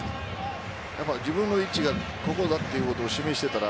自分の位置がここだということを示していたら